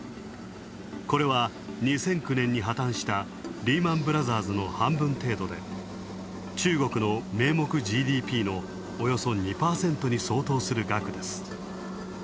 これは２００９年に破綻した、リーマン・ブラザーズの半分程度で、中国の名目ＧＤＰのおよそ２％に相当する額です。